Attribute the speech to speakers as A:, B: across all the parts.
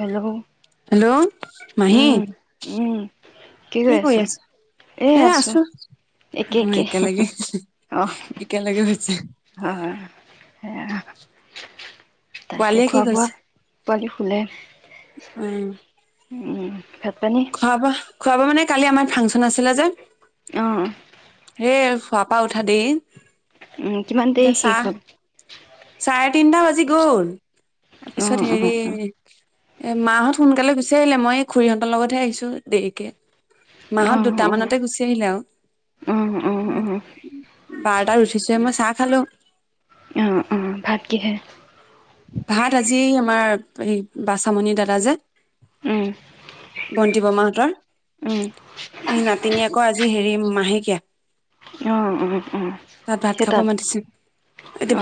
A: Hello
B: hello, Mahi
A: উম উম
B: কি কৰি আছা? এ', আছো
A: একে
B: অ',
A: একে
B: একেলগে,
A: অ
B: একেলগে হৈছে।
A: সেয়া, তাকে,
B: পোৱালীয়ে
A: খোৱা- বোৱা পোৱালি, শুলে।
B: উম',
A: উম', পানী
B: খোৱা -বোৱা, খোৱাব মানে কালি আমাৰ ফাংচন আছিলে যে, '-
A: অহ',
B: এ', শুৱাপা উঠা দিন, -
A: উম', কিমান দেৰি শেষ হ'ল।
B: চাৰে তিনটা বাজি গ'ল
A: অ
B: তাৰপিছত
A: অ
B: হেৰি এ মাহঁত সোনকালে বিচাৰিলে মই খুৰীহঁতৰ লগতহে আহিছো দেৰিকে
A: অ অ
B: মাহত দুটা মানতে গুচি আহিলে আৰু
A: অ অ অ
B: বাৰটাত উঠিছে মই চাহ খালো
A: কিহেৰে
B: ভাত আজি আমাৰ এই বাচামণি দাদা যে
A: উম
B: বন্তি বৰমাহতৰ
A: উম
B: এই নাতিনীয়েকৰ আজি হেৰি মাহেকীয়া
A: অ অ অ
B: তাত ভাত খাব মাতিছিল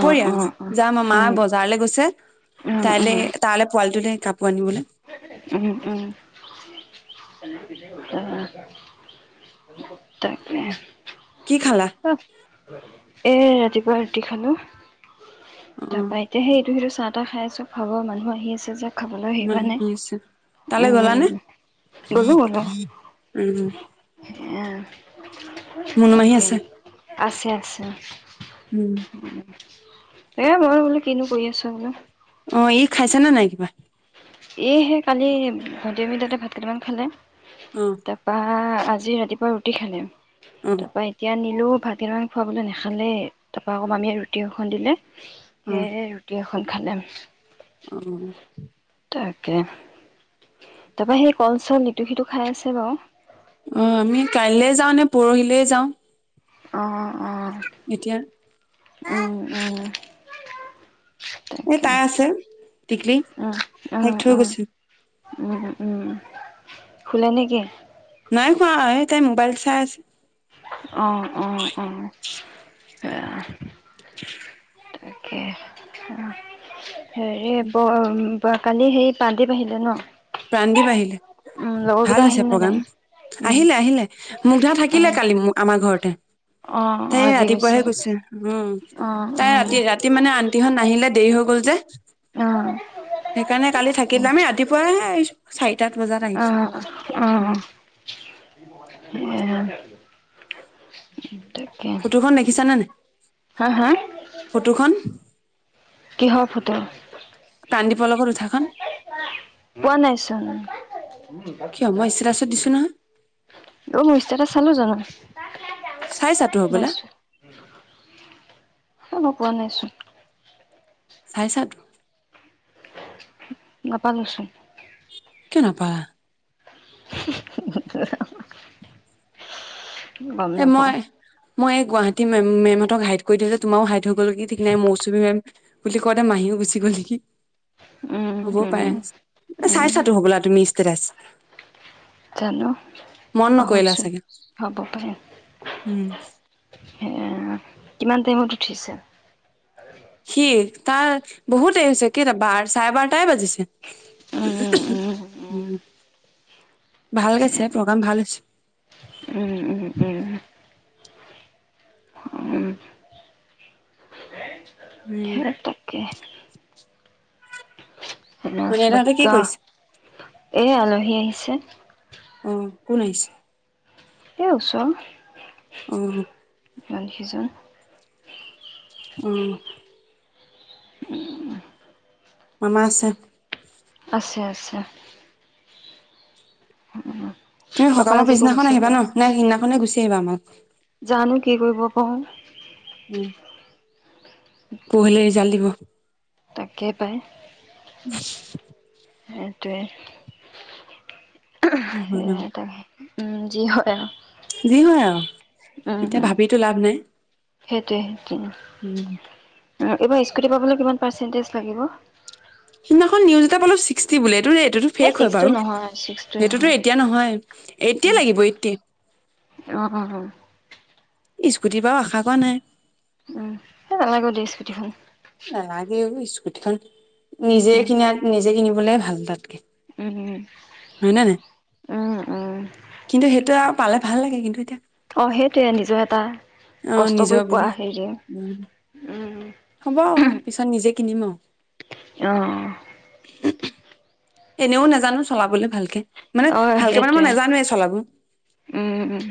A: অ অ অ অ
B: যাম আৰু
A: অ
B: মা বজাৰলৈ গৈছে
A: অ
B: তাইলে তাৰলে পোৱালিটোলে কাপ পোৰ আনিবলৈ
A: উম উম অ তাকে
B: কি খালা
A: অ এই ৰাতিপুৱা ৰুটি খালোঁ
B: অ
A: তাৰ পৰা এতিয়া সেইটো সেইটো চাহ তাহ খাই আছো ফাগুৱাৰ মানুহ আহি আছে যে খাবলৈ হেৰি হোৱা
B: মানুহ
A: নাই।
B: হৈছে তালে গলা
A: উম
B: নে
A: গ'লো
B: উম্
A: উ
B: মুনু মাহি আছে
A: আছে আছে উম [inaudible] এ মই বোলো কিনো কৰি আছা বোলো
B: অ ই খাইছে নে নাই কিবা
A: এই হে কালি দু ভাত কেইটামান খালে
B: অ
A: তাৰ পা আজি ৰাতিপুৱা ৰুটি খালে
B: অ
A: তাৰ পা এতিয়া নি লো ভাতকেইটামান খুৱাবলৈ নাখালেই তাৰপৰা অকো মামিয়ে ৰুটি এখন দিলে সেয়েহে ৰুটি এখন খালে
B: অহ
A: তাকে তাৰপা সেই কল চল ইটো সিটো খাই আছে বাৰু
B: অ আমি কাইলৈ যাওঁ নে পৰহিলৈ যাওঁ
A: অ অ
B: এতিয়া আ
A: উম উম
B: এ
A: তাকে।
B: তাই আছে তিকলি
A: উম
B: তাইক
A: উম
B: থৈ গৈছো
A: উম উম উম শুলে নেকি
B: নাই শুৱা এই তাই মোবাইল চাই আছে
A: অ অ অ এ [unintelligible] তাকে [unintelligible] হেৰি [unintelligible] কালি সেই প্ৰাণদীপ আহিলে ন
B: প্ৰাণদিপ আহিলে
A: উম
B: ভাল
A: লগৰকেইটা আহিল
B: হৈছে
A: নে
B: প্ৰগ্ৰাম
A: নাই উম
B: আহিলে আহিলে মুগধা থাকিলে
A: উম
B: কালি আমাৰ ঘৰত
A: অ
B: [unintelligible]
A: অ
B: তাই
A: আজি
B: ৰাতিপুৱাহে
A: অ
B: গৈছে উম
A: অ
B: তাই ৰাতি ৰাতি মানে আনটিহত নাহিলে দেৰি হৈ গল যে
A: অ
B: সেইকাৰণে কালি থাকিলে আমি ৰাতিপুৱাইে
A: আহ আহ
B: উম
A: উ [unintelligible] [unintelligible]
B: ফটোখন দেখিছা নে নাই
A: হা হা [unintelligible]
B: ফটোখন
A: কিহ ফটো
B: [unintelligible] উঠাখন
A: পোৱা নাই চোন
B: কিয় মই ষ্টেটাচত দিছো নহয়
A: অ মোৰ ইচতেতাচ চালো জানো
B: চাইছাতো হ'বলা
A: [unintelligible] চাব পোৱা নাইচোন
B: চাইছাটো
A: নাপালোচোন
B: [unintelligible] কিয় নাপালা
A: [unintelligible] গম
B: এ
A: নাপাওঁ
B: মই মই এই গুৱাহাটী ম মেম ত হাইট কৰি থৈলে যে তোমাৰওাইট হৈ গ'ল কি ঠিক নাই মৌচুমী মেম বুলি কওঁতে মাহীওুচি গ'ল নিকি
A: উম,
B: হ'ব
A: উম,
B: পাৰে
A: উম,
B: চাইছাতো হ'বলা তুমি ত্ৰেছ
A: জানো পাহৰিছোঁ
B: চাগে
A: হব পাৰে
B: উম
A: এ কিমান টাইমত উঠিছে [inaudible]
B: সি তাৰ বহুত দেৰি হৈছে কেই বাৰ চাৰে বাৰটাই বাজিছে উম [unintelligible] ভাল গেছে প্ৰগ্ৰাম ভাল
A: উম, উম,
B: হৈছে
A: উম, উম,
B: উম
A: ঘেৰ তকে [inaudible] ব
B: মনিয়াহঁতে কি
A: কিয়
B: কৰিছে
A: এই আলহী আহি আছে
B: উম কোন আহিছে
A: এই উছৰ
B: উম
A: [inaudible]
B: [unintelligible] উম
A: [unintelligible]
B: মমা আছে
A: উহ উহ [unintelligible]
B: তুমি সকামৰ পিছদিনাখন আহিবা ন নাই সিদিনাখনে গুচি আহিবা আমাক
A: জানো কি কৰিব কসোন
B: উম পহিলে ৰিজাল দিব থ [inaudible]
A: তাকেই পায় এইটো [unintelligible]
B: কি হয়
A: [unintelligible]
B: আৰু
A: সেইটাকে উম যি হয়
B: যি হয় আৰু
A: উম,
B: এতিয়া
A: উম,
B: ভাবিটো লাভ নাই
A: সেইটোৱে কিনো
B: উম
A: এইবাৰ ইস্কুটি পাবলৈ কিমান পাছেনটিচ লাগিব
B: সিদিনাখন নিউজ এটা পালো চিকটি বোলে এইটো যে এইটোতো
A: এই
B: ফেক হয়
A: ছিক্সটো
B: বাৰু
A: নহয় ছিক্সটো
B: সেইটোতো
A: নহয়
B: এতিয়া নহয় এটি
A: উম
B: লাগিব এটি
A: অ অ অ
B: স্কুটিৰ বাও আশা কৰা নাই
A: উম [unintelligible] স্কুটিখন
B: ইতি খান নিজে
A: উম
B: কিন নিজে কিনিম কোনে ভাল তাতকে
A: উম,
B: হয় নে নাই
A: উম, উম, উম
B: কিন্তু সেইটো আৰু পালে ভাল লাগে কিন্তু এতিয়া
A: অ সেইটোয়ে নিজৰ এটা
B: অহ
A: কষ্ট কৰি
B: নিজৰ বুলি।
A: পোৱা হেৰি উম
B: হব আৰু পিছত নিজে কিনিম আৰু।
A: অ
B: এনেও নাজানো চলাবলে ভালকে। মানে
A: অ
B: ভালকে মানে মই
A: সেইটোৱে
B: নাজানোৱে চলাব।
A: উম উম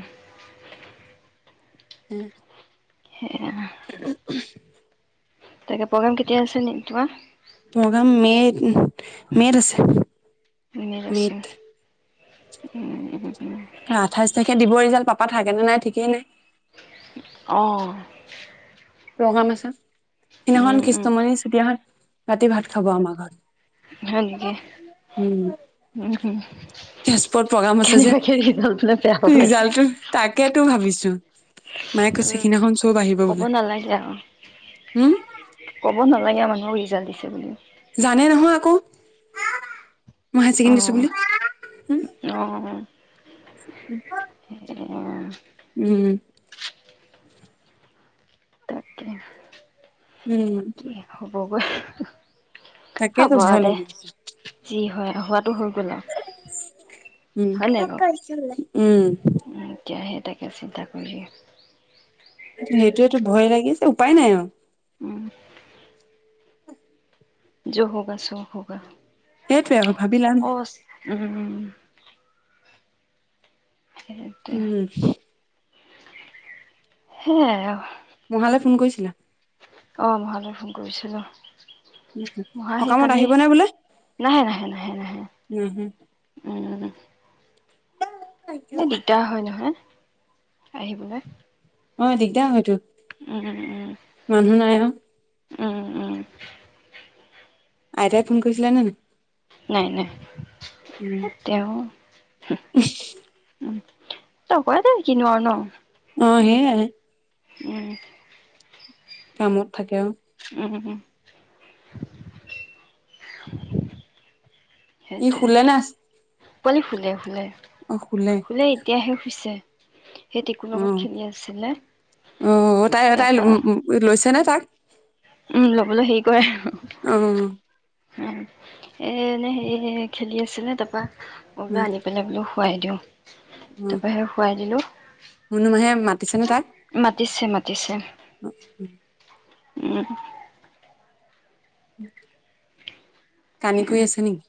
B: হু
A: সেয়া
B: [unintelligible]
A: তাকে প্ৰগ্ৰেম কেতিয়া আছে তোমাৰ?
B: প্ৰগাম মেত- মেত আছে।
A: মেত আছে। [unintelligible]
B: আঠাইছ তাৰিখে দিব ৰিজাল্ট। পাপা থাকে নে নাই ঠিকেই নাই।
A: অ
B: প্ৰগাম আছে।
A: উম
B: সিদিনাখন
A: উম
B: কৃষ্ণামনি চুটিয়া নাথ ৰাতি ভাত খাব আমাৰ ঘৰত।
A: হয় নেকি?
B: উম
A: উম, হম
B: তেজপুৰত প্ৰগ্ৰাম আছে যে,
A: বিলাক বেয়া পাব লাগিছিল
B: ৰিজাল্টটো তাকে তো ভাবিছো। মায়ে কৈছে
A: উম,
B: সেইদিনাখন চব আহিব
A: কব
B: বোলে
A: নালাগে আৰু
B: উম
A: কব নালাগে মান ম ৰিজাল্ট দিছে বুলি
B: জানে নহয় আকৌ। মই হাই ছেকেণ্ডি দিছোঁ
A: অ
B: বুলি।
A: অ',
B: উম [unintelligible]
A: তাকে।
B: উম
A: কি হ'ব। ব [unintelligible]
B: তাকেতো ভয় লাগি আছে।
A: হোৱাতো হল
B: উম,
A: নাই বাৰু
B: উম।
A: এতিয়া সেই তাকে চিন্তা কৰি
B: সেইটোয়ে টো ভয় লাগিছে উপায় নাই আৰু।
A: উ য হগা চ' হগা।
B: সেইটোৱে আৰু ভাবি লাভ
A: [unintelligible] সেইটোৱে
B: উম
A: হেয়াই আৱু।
B: মহালে ফোন কৰিছিলা
A: অ মহালে ফোন কৰিছিলো মহাই সেই
B: সকামত
A: কালি
B: আহিব নে বোলে
A: নাহে নাহে নাহে নাহে উম বৰ দিগদাৰ হয় নহয় আহিবলৈ
B: অ দিগদাৰ হয়তো
A: উম উম
B: মান ন
A: উম উম
B: আইতাই ফোন কৰিছিলে নে নাই
A: নাই নাই
B: উম
A: এ তেওঁ উ কব দে কিনো আৰু ন
B: অ হে
A: উম
B: কামত থাকে
A: উম উম
B: ই
A: সেইটোৱে
B: শুলে নে আছে
A: হেই শুলে শুলে শুলেএতিয়াহে শুইছে সেই টিকুৰ লগত
B: উম
A: খেলি আছিলে
B: অহ তাই তাই
A: তাৰপা
B: লৈছে নে হে
A: উম ল'বলৈ হেৰি কৰে
B: উম
A: উম এ এনে হেৰি খেলি আছিলে তাৰপা মই বোলো আনি কেনে বোলো শুৱাই দিওঁ তাৰ পা সে শুৱাই দিলো
B: হুনুমাহে মাতিছে নে তাত
A: মাতিছে মাতিছে
B: অ উ
A: উম
B: উম কানি ক আছে নেকি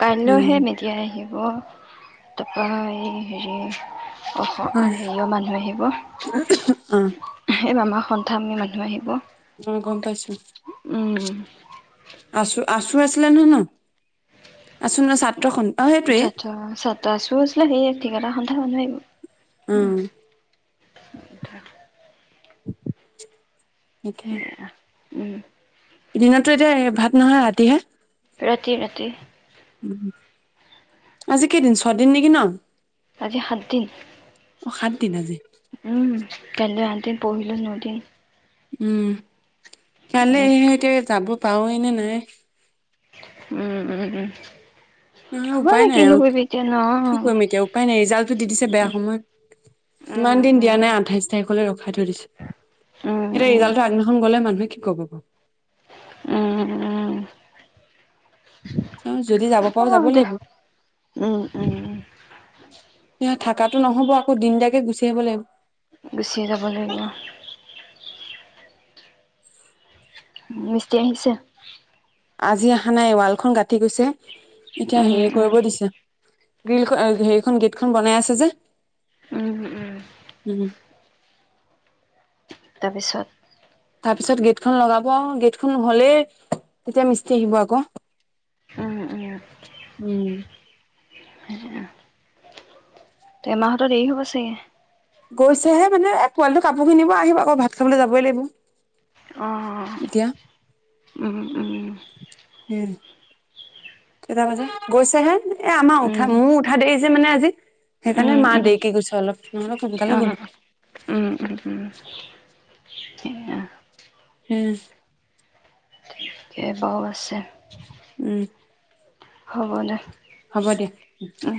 A: কাইলৈহে
B: উম
A: মেডিয়া আহিব তা পা এই হেৰি
B: হয়
A: হেৰি মানুহ আহিব
B: অ
A: সেই মামা স মানুহ আহিব
B: অ গম পাইছো
A: উম
B: আছু আছিলেনে ন আছু এ ছাত্ৰস
A: আ ছ আছু আছিলে সেইযে কেইবাটা সন্থাৰ মানুহ আহিব
B: আহ
A: এ
B: অ একে
A: উম
B: দিনততো এতিয়া ভাত নহয় ৰাতিহে
A: ৰাতি ৰাতি
B: উ আজি কেইদিন ছদিন নেকি ন
A: আজি সাত দিন
B: অ সাত দিন আজি
A: উম কলো আ যি পহিলো নদি
B: উম কাইলে
A: উম
B: ইহতে যাব পাওঁৱে নে নাই
A: উম উম উম
B: নহয়
A: হ'ব
B: উপায়
A: দে
B: নাই
A: কিনো
B: আৰু
A: কৰিবি এতিয়া ন
B: কি কৰিম এতিয়া উপায় নাই ৰিজাল্টটো দি দিছে বেয়া সময় ইমান
A: উম
B: দিন দিয়া
A: উম
B: নাই আঠাইশ তাৰিখলৈ ৰখাই থৈ দিছে
A: উম
B: এতিয়া ৰিজাল্টটো আগনিখন গলে মানুহে ক'ব ক
A: উম উম
B: চাওঁ যদি যাব
A: অ
B: পাৰো যাব
A: দে
B: লাগিব
A: উম উম উ
B: টো নহ'ব আকৌ দিনটাকে গুচি আহিব লাগিব
A: গুচিয়ে যাব লাগিব মিছটি আহিছে
B: আজি অহা নাই ৱালখন গাঁঠি গৈছে এতিয়া
A: উম
B: হেৰি
A: উম
B: কৰিব দিছে গ্ৰীল হেৰিখন গেটখন বনাই আছে যে
A: উম উম উম
B: উম।
A: তাৰপিছত
B: তাৰপিছত গেটখন লগাব গেটখন হ'লেই তেতিয়া মিস্ত্ৰী আহিব আকৌ
A: উম উম
B: উম
A: এমাহটো দেৰি হব চাগে
B: গৈছেহে মানে পোৱালিটো কাপোৰ কিনিব আহিব আকৌ ভাত খাবলৈ যাবই
A: অ
B: লাগিব এতিয়া
A: উম উম
B: হ কেইটা বজাত গৈছে হে এ আমাৰ উঠা
A: উম
B: মোৰ উঠা দেৰিছে মানে আজি সেইকাৰণে
A: উম
B: মা
A: উম
B: দেৰিকে গৈছে অলপ মা হত
A: অ
B: সোনকালে গল
A: উম উম উম
B: হা
A: তে বাৰু আছে
B: উম
A: হ'ব দে
B: হ'ব দে
A: উম